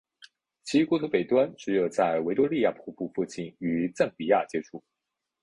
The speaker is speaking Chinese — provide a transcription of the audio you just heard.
其国土北端只有在维多利亚瀑布附近与赞比亚接触。